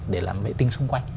để làm vệ tinh xung quanh